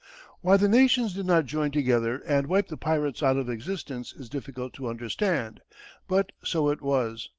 Why the nations did not join together and wipe the pirates out of existence is difficult to understand, but so it was.